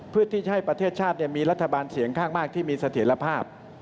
เพื่อที่จะให้ประเทศชาติมีรัฐบาลเสียงข้างมากที่มีเสถียรภาพ